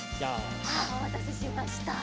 おまたせしました。